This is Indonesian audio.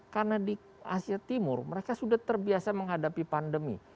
karena di asia timur mereka sudah terbiasa menghadapi pandemi